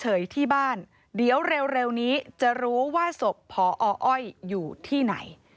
ที่บ้านเดี๋ยวเร็วนี้จะรู้ว่าศพพออ้อยอยู่ที่ไหน